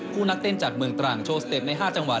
นักเต้นจากเมืองตรังโชว์สเต็ปใน๕จังหวัด